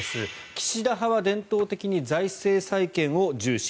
岸田派は伝統的に財政再建を重視。